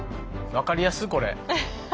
分かりやすこれ。